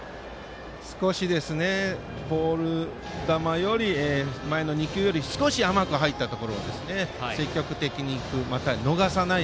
少し、前の２球より甘く入ったところを積極的に行く、また逃さない。